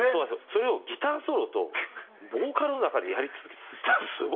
それをギターソロとボーカルの中でやり続けるって。